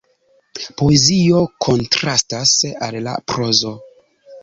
Poezio kontrastas al la prozo.